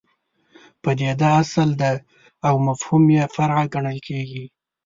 پدیده اصل ده او مفهوم یې فرع ګڼل کېږي.